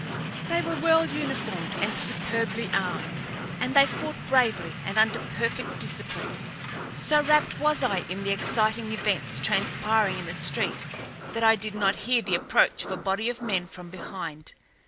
They were well uniformed and superbly armed, and they fought bravely and under perfect discipline. So rapt was I in the exciting events transpiring in the street that I did not hear the approach of a body of men from behind.